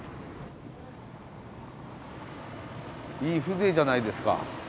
いい風情じゃないですか。